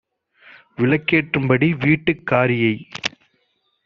விளக்கேற் றும்படி வீட்டுக் காரியை